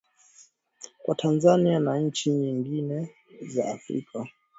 Kwa Tanzania na nchi nyingi za Afrika